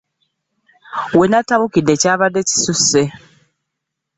We natabukidde kyabadde kisusse.